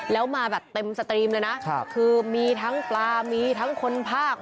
แล้วมาแบบเต็มสตรีมเลยนะคือมีทั้งปลามีทั้งคนภาค